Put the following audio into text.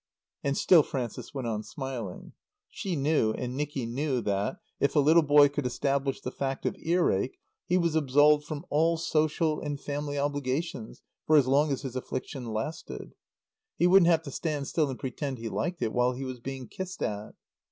And still Frances went on smiling. She knew, and Nicky knew that, if a little boy could establish the fact of earache, he was absolved from all social and family obligations for as long as his affliction lasted. He wouldn't have to stand still and pretend he liked it while he was being kissed at.